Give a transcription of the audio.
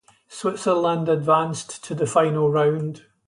Switzerland advanced to the Final Round.